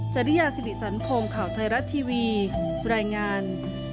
จริยาสิริสันพงศ์ข่าวไทยรัฐทีวีรายงาน